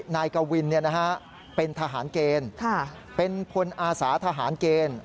นายกวินเป็นทหารเกณฑ์เป็นพลอาสาทหารเกณฑ์